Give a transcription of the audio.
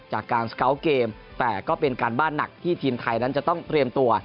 จากการสเกาะเกมแต่ก็เป็นการบ้านหนักที่ทีมไทยนั้นจะต้องเตรียมตัว